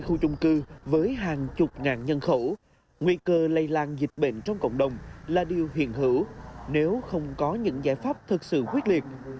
khu chung cư với hàng chục ngàn nhân khẩu nguy cơ lây lan dịch bệnh trong cộng đồng là điều hiện hữu nếu không có những giải pháp thật sự quyết liệt